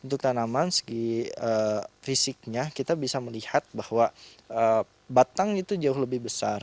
untuk tanaman segi fisiknya kita bisa melihat bahwa batang itu jauh lebih besar